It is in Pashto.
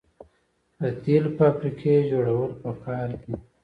د تیلو فابریکې جوړول پکار دي.